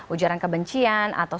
ujaran kebencian atau